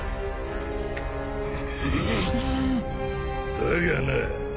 だがな。